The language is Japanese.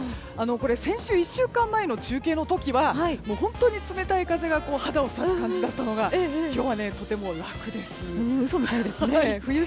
先週１週間前の中継の時は本当に冷たい風が肌を刺す感じだったのが今日はとても楽です。